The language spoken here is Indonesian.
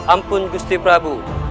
ampun gusti prabu